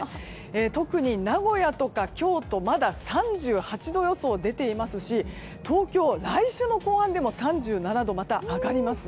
特に、名古屋とか京都まだ３８度予想が出ていますし東京は来週の後半でも３７度と、また上がります。